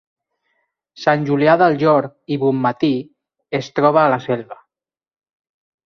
Sant Julià del Llor i Bonmatí es troba a la Selva